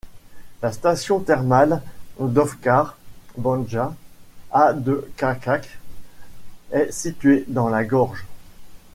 La station thermale d'Ovčar Banja, à de Čačak, est située dans la gorge.